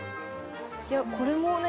いやこれもね